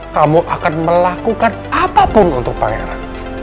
kamu akan melakukan apapun untuk pangeran